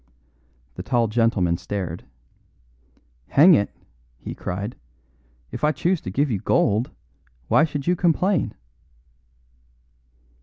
The tall gentleman stared. "Hang it," he cried, "if I choose to give you gold, why should you complain?"